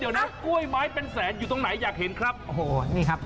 เดี๋ยวนะกล้วยไม้เป็นแสนอยู่ตรงไหนอยากเห็นครับ